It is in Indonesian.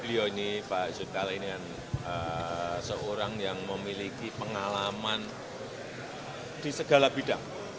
beliau ini pak yusuf kalla ini kan seorang yang memiliki pengalaman di segala bidang